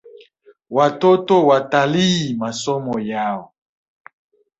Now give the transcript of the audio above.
Watoto watalii masomo yao